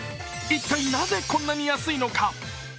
一体なぜこんなに安いのか？